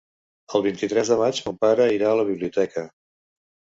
El vint-i-tres de maig mon pare irà a la biblioteca.